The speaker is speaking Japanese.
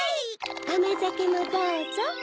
あまざけもどうぞ。